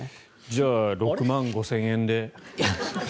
じゃあ６万５０００円で。